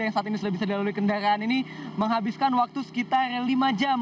yang saat ini sudah bisa dilalui kendaraan ini menghabiskan waktu sekitar lima jam